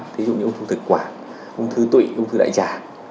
thí dụ như ung thư thực quả ung thư tụy ung thư đại trả